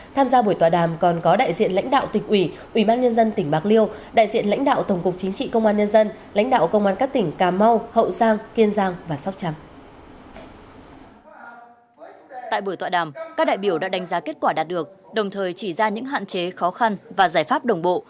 tại buổi tọa đàm các đại biểu đã đánh giá kết quả đạt được đồng thời chỉ ra những hạn chế khó khăn và giải pháp đồng bộ